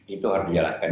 itu harus dijalankan